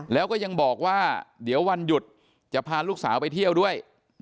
แล้วก็ยังบอกว่าเดี๋ยววันหยุดจะพาลูกสาวไปเที่ยวด้วย